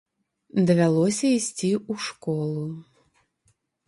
Давялося ісці ў школу.